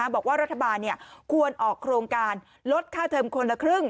บอกว่ารัฐบาลควรออกโครงการลดค่าเทิมคนละครึ่ง